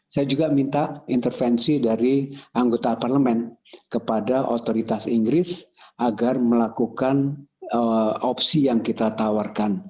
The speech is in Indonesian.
saya juga minta intervensi dari anggota parlemen kepada otoritas inggris agar melakukan opsi yang kita tawarkan